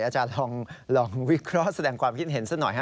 อาจารย์ลองวิเคราะห์แสดงความคิดเห็นซะหน่อยฮ